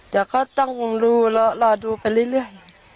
เดี๋ยวก็ต้องรู้รอดูไปเรื่อย